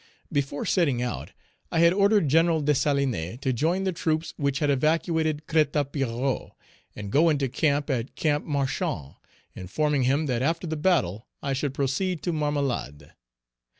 Before setting out, I had ordered Gen. Dessalines to join the troops which had evacuated Crête à Pierrot, and go into camp at Camp Marchand, informing him that after the battle I should proceed to Marmelade.